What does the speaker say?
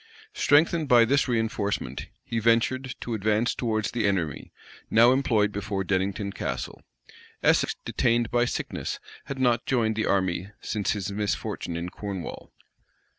Strengthened by this reënforcement, he ventured to advance towards the enemy, now employed before Dennington Castle.[*] Essex, detained by sickness, had not joined the army since his misfortune in Cornwall.